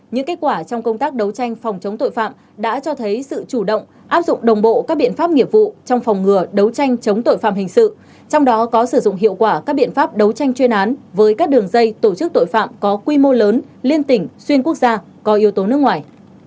những kết quả trong công tác đấu tranh phòng chống tội phạm đã cho thấy sự chủ động áp dụng đồng bộ các biện pháp nghiệp vụ trong phòng ngừa đấu tranh chống tội phạm hình sự trong đó có sử dụng hiệu quả các biện pháp đấu tranh chuyên án với các đường dây tổ chức tội phạm có quy mô lớn liên tỉnh xuyên quốc gia có yếu tố nước ngoài